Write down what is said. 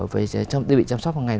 với đơn vị chăm sóc hằng ngày